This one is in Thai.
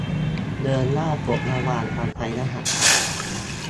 เดินหน้าปลดระวางการใช้รหัสผ่าน